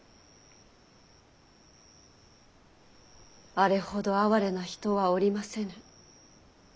あれほど哀れな人はおりませぬ。